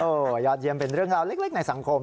ยอดเยี่ยมเป็นเรื่องราวเล็กในสังคม